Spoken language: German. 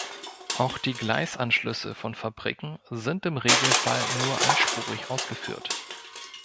Auch die Gleisanschlüsse von Fabriken sind im Regelfall nur einspurig ausgeführt.